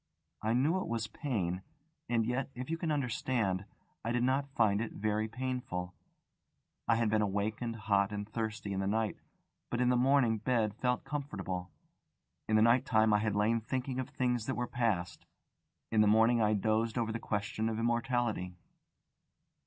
I knew it was pain, and yet, if you can understand, I did not find it very painful. I had been awake and hot and thirsty in the night, but in the morning bed felt comfortable. In the night time I had lain thinking of things that were past; in the morning I dozed over the question of immortality.